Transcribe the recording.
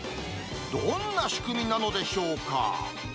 どんな仕組みなのでしょうか。